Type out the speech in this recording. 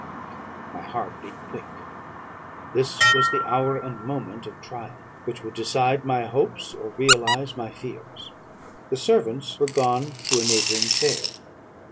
"My heart beat quick; this was the hour and moment of trial, which would decide my hopes, or realise my fears. The servants were gone to a neighbouring fair.